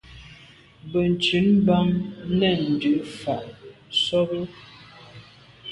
Benntùn bam, nèn dù’ fà’ sobe.